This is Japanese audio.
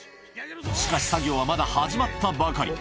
しかし作業はまだ始まったばかり。